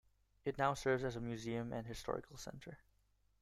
It now serves as a museum and historical center.